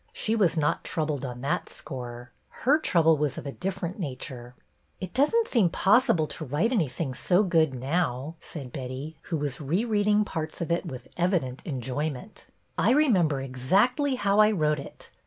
She was not troubled on that score; her trouble was of a different nature. " It does n't seem possible to write anything so good now," said Betty, who was re reading parts of it with evident enjoyment. I remember ex actly how I wrote it.